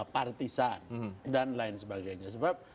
partisan dan lain sebagainya sebab